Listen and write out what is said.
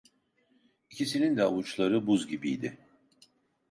İkisinin de avuçları buz gibiydi.